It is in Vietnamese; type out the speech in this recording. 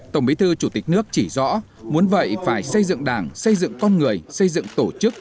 tổng bí thư chủ tịch nước chỉ rõ muốn vậy phải xây dựng đảng xây dựng con người xây dựng tổ chức